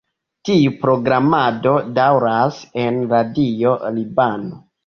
Tiu programado daŭras en Radio Libano.